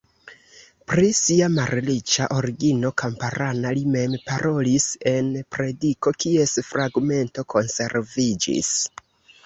Pri sia malriĉa origino kamparana li mem parolis en prediko kies fragmento konserviĝis.